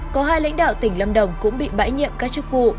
có hai lãnh đạo tỉnh lâm đồng cũng bị bãi nhiệm các chức vụ